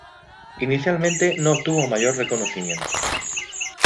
Inicialmente, no obtuvo mayor reconocimiento.